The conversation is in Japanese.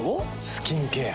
スキンケア。